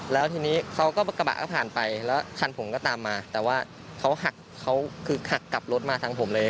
แล้วทีนี้เขาก็กระบะก็ผ่านไปแล้วคันผมก็ตามมาแต่ว่าเขาหักเขาคือหักกลับรถมาทางผมเลย